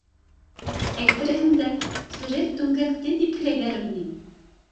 Әйтерһең дә, серек дүңгәкте типкеләйҙәрме ни.